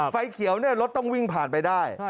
ไฟเขียวรถต้องวิ่งผ่านไปได้